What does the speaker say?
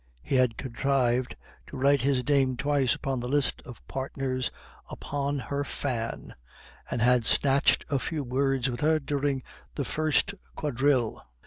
He had contrived to write his name twice upon the list of partners upon her fan, and had snatched a few words with her during the first quadrille.